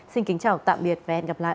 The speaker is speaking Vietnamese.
xin kính chào tạm biệt và hẹn gặp lại